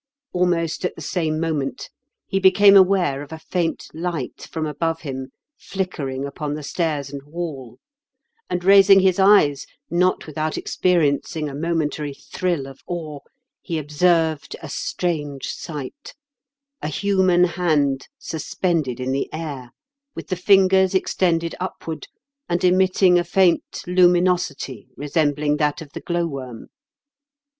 Almost at the same moment he became aware of a faint light from above him flickering upon the stairs and wall; and, raising his eyes, not without experiencing a momentary thrill of awe, he observed a strange sight — a human hand, suspended in the air, with the fingers extended upward, and emitting a faint lumi nosity, resembling that of the glow worm.